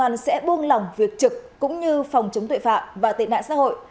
công an huyện nhân trạch sẽ buông lỏng việc trực cũng như phòng chống tuệ phạm và tệ nạn xã hội